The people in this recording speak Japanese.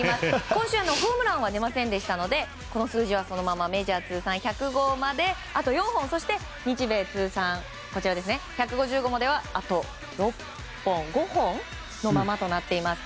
今週はホームランは出ませんでしたのでこの数字はメジャー通算１００号まで３本日米通算１５０号まであと５本のままとなっています。